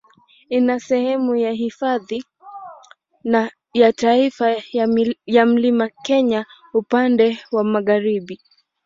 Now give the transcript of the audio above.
Ina sehemu ya Hifadhi ya Taifa ya Mlima Kenya upande wa magharibi.